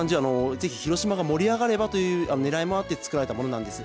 ぜひ広島が盛り上がればというねらいもあって作られたものなんです。